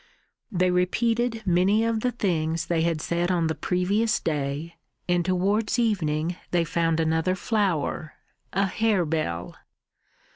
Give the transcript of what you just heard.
They repeated many of the things they had said on the previous day, and towards evening they found another flower, a harebell.